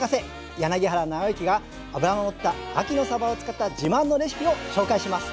柳原尚之が脂の乗った秋のさばを使った自慢のレシピを紹介します。